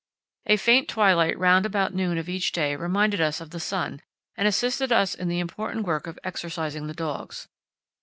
A faint twilight round about noon of each day reminded us of the sun, and assisted us in the important work of exercising the dogs.